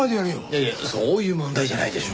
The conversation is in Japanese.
いやいやそういう問題じゃないでしょ。